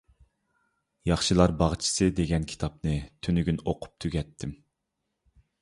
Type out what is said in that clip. «ياخشىلار باغچىسى» دېگەن كىتابنى تۈنۈگۈن ئوقۇپ تۈگەتتىم.